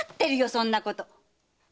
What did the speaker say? そんなこと！